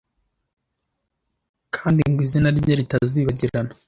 kandi ngo izina rye ritazibagirana